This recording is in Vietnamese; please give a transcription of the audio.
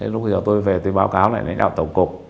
lúc đó tôi về tôi báo cáo lại lãnh đạo tổng cục